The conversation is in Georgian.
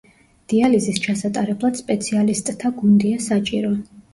დიალიზის ჩასატარებლად სპეციალისტთა გუნდია საჭირო.